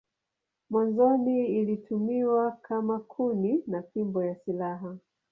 Mwanzoni ilitumiwa kama kuni na fimbo ya silaha.